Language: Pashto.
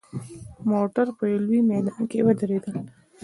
موټر په یوه لوی میدان کې ودرېدل.